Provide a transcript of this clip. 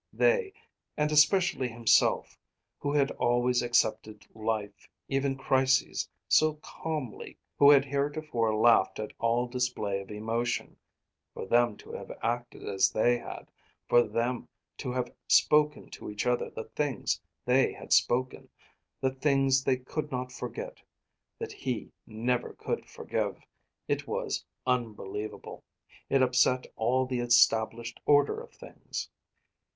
They and especially himself who had always accepted life, even crises, so calmly; who had heretofore laughed at all display of emotion for them to have acted as they had, for them to have spoken to each other the things they had spoken, the things they could not forget, that he never could forgive it was unbelievable! It upset all the established order of things!